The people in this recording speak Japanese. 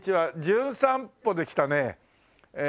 『じゅん散歩』で来たねええ